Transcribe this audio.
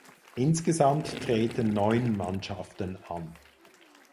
Insgesamt treten neun Mannschaften an.